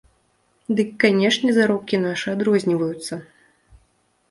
Дык канешне заробкі нашы адрозніваюцца!